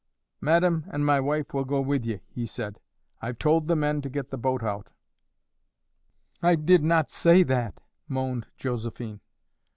"Madame and my wife will go with ye," he said. "I've told the men to get the boat out." "I did not say that," moaned Josephine.